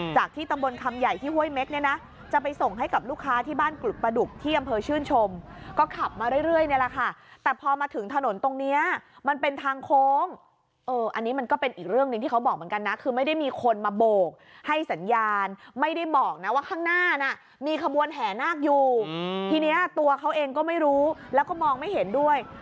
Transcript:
ที่ตำบลคำใหญ่ที่ห้วยเม็กเนี่ยนะจะไปส่งให้กับลูกค้าที่บ้านกรุดประดุกที่อำเภอชื่นชมก็ขับมาเรื่อยนี่แหละค่ะแต่พอมาถึงถนนตรงเนี้ยมันเป็นทางโค้งเอออันนี้มันก็เป็นอีกเรื่องหนึ่งที่เขาบอกเหมือนกันนะคือไม่ได้มีคนมาโบกให้สัญญาณไม่ได้บอกนะว่าข้างหน้าน่ะมีขบวนแห่นาคอยู่ทีนี้ตัวเขาเองก็ไม่รู้แล้วก็มองไม่เห็นด้วย